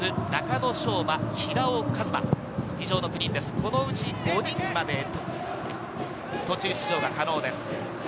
このうち５人まで途中出場が可能です。